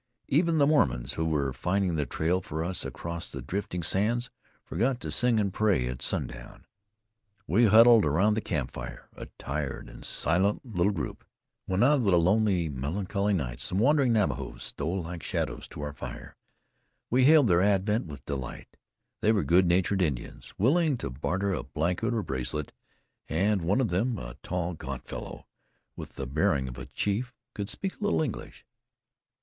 Even the Mormons, who were finding the trail for us across the drifting sands, forgot to sing and pray at sundown. We huddled round the campfire, a tired and silent little group. When out of the lonely, melancholy night some wandering Navajos stole like shadows to our fire, we hailed their advent with delight. They were good natured Indians, willing to barter a blanket or bracelet; and one of them, a tall, gaunt fellow, with the bearing of a chief, could speak a little English.